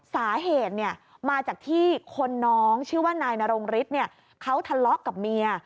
สาเหตุมาจากที่คนน้องชื่อว่านายนรงฤทธิ์เขาทะเลาะกับเมีย